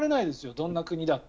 どんな国だって。